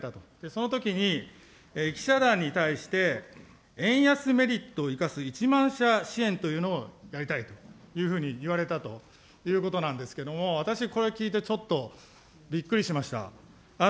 そのときに、記者団に対して、円安メリットを生かす１万社支援というのをやりたいというふうに言われたということなんですけれども、私これ聞いて、ちょっとびっくりしました。